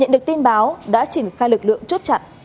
được tin báo đã triển khai lực lượng chốt chặn